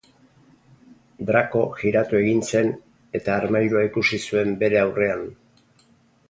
Draco jiratu egin zen eta armairua ikusi zuen bere aurrean.